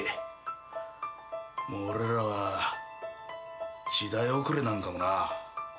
もう俺らは時代遅れなんかもな。